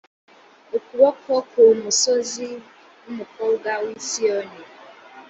ukuboko ku musozi w umukobwa w i siyoni